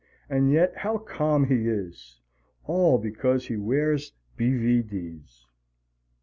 And yet how calm he is! All because he wears B. V. D.'